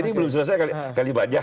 ini belum selesai kalimatnya